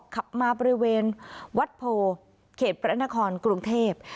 ขับมาบริเวณวัดโพเขตพระนครกรุงเทพ